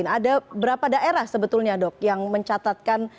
ada berapa daerah sebetulnya dok yang mencatatkan